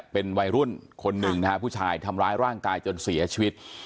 เป็นวัยรุ่นคนหนึ่งนะฮะผู้ชายทำร้ายร่างกายจนเสียชีวิต